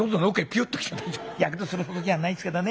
やけどするほどじゃないですけどね